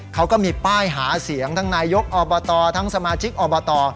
เขาก็มีป้ายหาเสียงทั้งนายยกอบตทั้งสมาชิกอบต